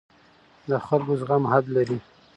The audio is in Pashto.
د خلکو زغم حد لري